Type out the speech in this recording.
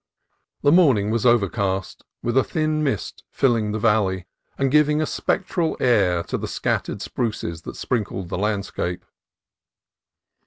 HUMBOLDT BAY 295 The morning was overcast, with a thin mist filling the valley and giving a spectral air to the scattered spruces that sprinkled the landscape.